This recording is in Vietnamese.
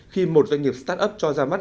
khi một doanh nghiệp start up cho ra mắt